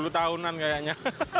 dua puluh tahunan kayaknya